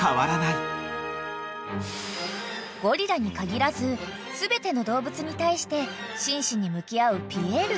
［ゴリラに限らず全ての動物に対して真摯に向き合うピエールさん］